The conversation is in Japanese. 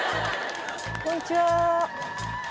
こんにちは。